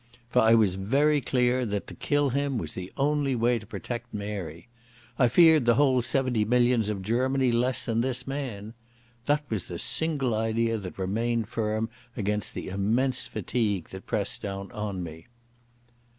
For I was very clear that to kill him was the only way to protect Mary. I feared the whole seventy millions of Germany less than this man. That was the single idea that remained firm against the immense fatigue that pressed down on me.